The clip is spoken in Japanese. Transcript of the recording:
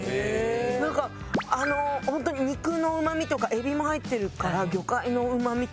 なんかあのホントに肉のうまみとかエビも入ってるから魚介のうまみと。